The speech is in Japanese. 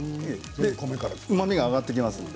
うまみが上がってきますので。